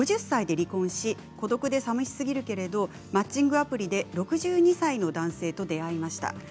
５０歳で離婚し孤独でさみしすぎるけれどマッチングアプリで６２歳の男性と出会いました。